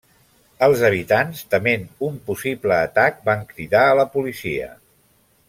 Els habitants tement un possible atac van cridar a la policia.